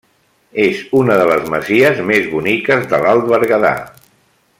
És una de les masies més boniques de l'Alt Berguedà.